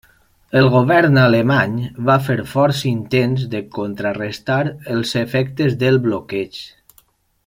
El govern alemany va fer forts intents de contrarestar els efectes del bloqueig.